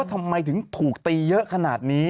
ทำไมถึงถูกตีเยอะขนาดนี้